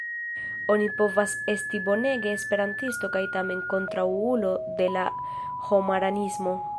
Oni povas esti bonega Esperantisto kaj tamen kontraŭulo de la homaranismo.